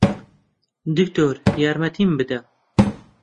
دکتۆر، یارمەتیم بدە!